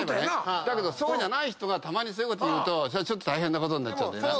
だけどそうじゃない人がたまにそういうこと言うと大変なことになっちゃうんだよな。